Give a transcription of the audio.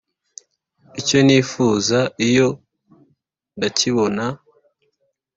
Icyo nifuza iyo ndakibona